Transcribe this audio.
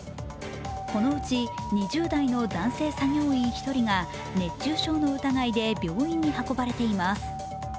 このうち、２０代の男性作業員１人が熱中症の疑いで病院に運ばれています。